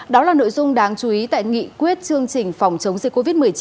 đó là nội dung đáng chú ý tại nghị quyết chương trình phòng chống dịch covid một mươi chín